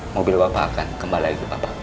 mobil bapak akan kembali ke bapak